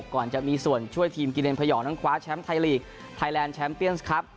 ก่อนจะมีส่วนช่วยทีมกิเลนพยองนั้นคว้าแชมป์ไทยลีกไทยแลนด์แชมป์เปียนส์ครับ